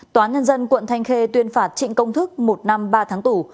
tòa nhân dân quận thanh khê tuyên phạt trịnh công thức một năm ba tháng tù